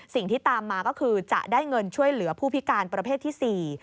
สิ่งที่ตามมาก็คือจะได้เงินช่วยเหลือผู้พิการประเภทที่๔